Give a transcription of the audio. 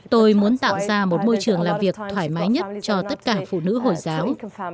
tôi muốn tạo ra một môi trường làm việc thoải mái nhất cho tất cả phụ nữ hồi giáo